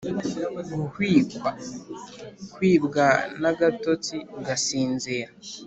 guhwikwa: kwibwa n’agatotsi ugasinzira